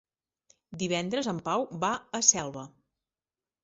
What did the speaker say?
Divendres en Pau va a Selva.